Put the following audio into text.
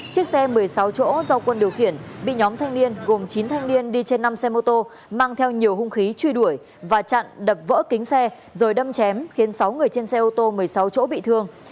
chiếc xe một mươi sáu chỗ do quân điều khiển bị nhóm thanh niên gồm chín thanh niên đi trên năm xe mô tô mang theo nhiều hung khí truy đuổi và chặn đập vỡ kính xe rồi đâm chém khiến sáu người trên xe ô tô một mươi sáu chỗ bị thương